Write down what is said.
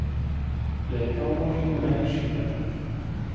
لە یەکەم رۆژی نمایشیدا